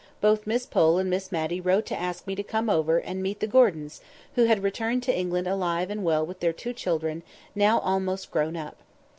Both Miss Pole and Miss Matty wrote to ask me to come over and meet the Gordons, who had returned to England alive and well with their two children, now almost grown up.